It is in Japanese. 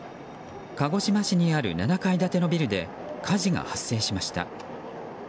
鹿児島市にある７階建てのビルで火事が発生しました。